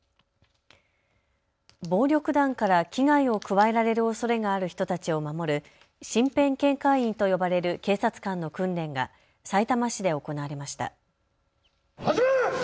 暴力団から危害を加えられるおそれがある人たちを守る身辺警戒員と呼ばれる警察官の訓練がさいたま市で行われました。